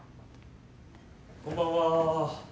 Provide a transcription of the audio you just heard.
こんばんは。